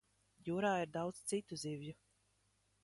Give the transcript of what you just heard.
Jūrā ir daudz citu zivju.